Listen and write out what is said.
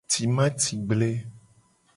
Timati gble.